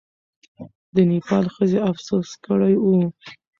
د نېپال ښځې افسوس کړی وو.